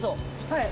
はい。